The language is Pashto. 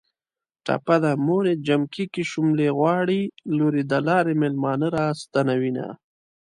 ټپه ده.: موریې جمکی کې شوملې غواړي ــــ لوریې د لارې مېلمانه را ستنوینه